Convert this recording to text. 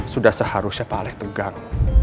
sudah seharusnya pak aleh tegang